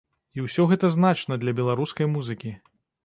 І ўсё гэта значна для беларускай музыкі.